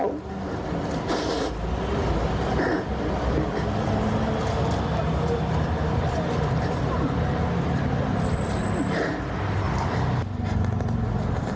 ฮือ